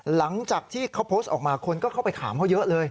หลังจากที่เขาโพสต์ออกมาคนก็เข้าไปถามเขาเยอะเลย